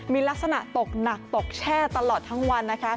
มีลักษณะตกหนักตกแช่ตลอดทั้งวันนะคะ